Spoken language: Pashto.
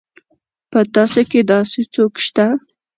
په تاسي کې داسې څوک شته.